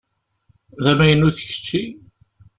D amaynut kečči?